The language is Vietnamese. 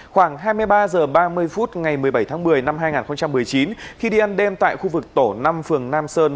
khoảng hai mươi ba h ba mươi phút ngày một mươi bảy tháng một mươi năm hai nghìn một mươi chín khi đi ăn đêm tại khu vực tổ năm phường nam sơn